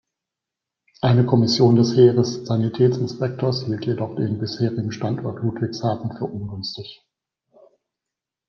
Eine Kommission des Heeres-Sanitätsinspekteurs hielt jedoch den bisherigen Standort Ludwigshafen für ungünstig.